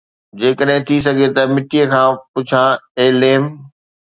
جيڪڏهن ٿي سگهي ته مٽيءَ کان پڇان، اي ليم